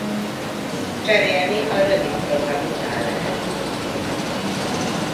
Cserélni a rövid program után lehet.